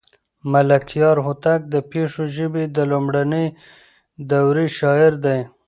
ملکیار هوتک د پښتو ژبې د لومړنۍ دورې شاعر دی.